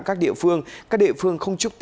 các địa phương các địa phương không chúc tết